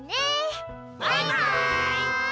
バイバーイ！